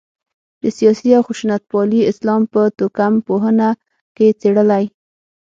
د سیاسي او خشونتپالي اسلام په توکم پوهنه کې څېړلای.